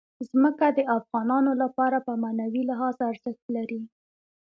ځمکه د افغانانو لپاره په معنوي لحاظ ارزښت لري.